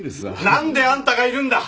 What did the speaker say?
何であんたがいるんだ！